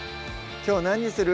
きょう何にする？